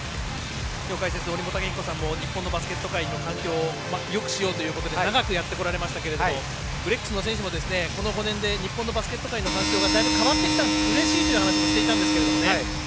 きょう解説、折茂武彦さんも日本のバスケット界の環境をよくしようということで長くやってこられましたがブレックスの選手もこの５年で日本のバスケット界の環境がだいぶ変わってきてうれしいという話もしていたんですけどね。